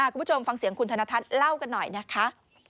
คุณผู้ชมฟังเสียงคุณธนทัศน์เล่ากันหน่อยนะคะ